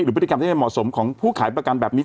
พฤติกรรมที่ไม่เหมาะสมของผู้ขายประกันแบบนี้